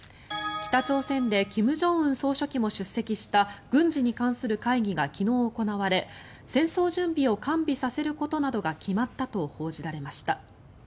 北朝鮮で金正恩総書記も出席した軍事に関する会議が昨日行われ戦争準備を完備させることなどが決まったと報じました。